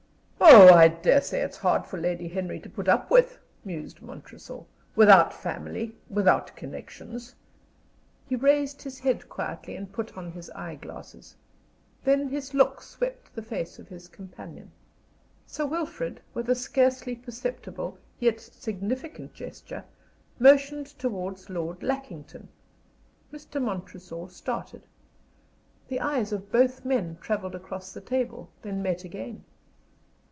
"Oh, I dare say it's hard for Lady Henry to put up with," mused Montresor. "Without family, without connections " He raised his head quietly and put on his eye glasses. Then his look swept the face of his companion. Sir Wilfrid, with a scarcely perceptible yet significant gesture, motioned towards Lord Lackington. Mr. Montresor started. The eyes of both men travelled across the table, then met again.